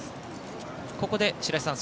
ここで、白井さん